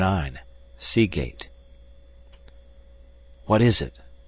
9 SEA GATE "What is it?"